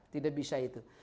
tidak bisa itu